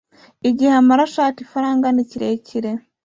igihe amara ashaka ifarangani kirekire